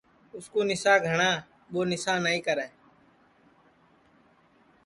اُس کُو نِسا گھاٹؔا ٻو نسا نائی کری